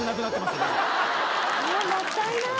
うわもったいない。